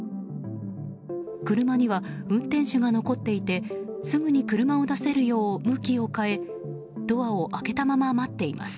車には運転手が残っていてすぐに車を出せるよう向きを変えドアを開けたまま待っています。